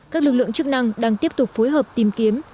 các lực lượng chức năng đang tiếp tục phối hợp tìm kiếm